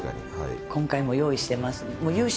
今回も用意してます